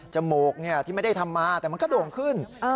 มูกที่ไม่ได้ทำมาแต่มันก็โด่งขึ้น